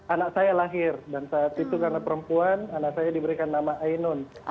anak saya lahir dan saat itu karena perempuan anak saya diberikan nama ainun